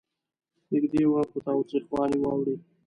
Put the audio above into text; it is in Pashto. نږدې وه په تاوتریخوالي واوړي.